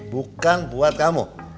bukan buat kamu